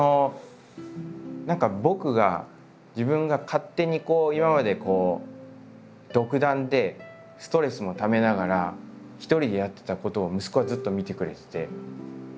何か僕が自分が勝手に今までこう独断でストレスもためながら一人でやってたことを息子はずっと見てくれてて。